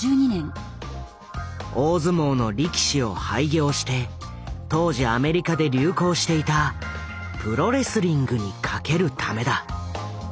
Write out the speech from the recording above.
大相撲の力士を廃業して当時アメリカで流行していた「プロ・レスリング」に懸けるためだ。